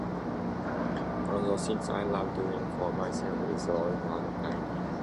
Another thing I love doing for myself is drawing and painting.